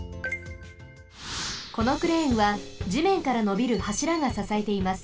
このクレーンはじめんからのびるはしらがささえています。